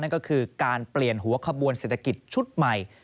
นั่นก็คือการเปลี่ยนหัวขบวนเศรษฐกิจชุดใหม่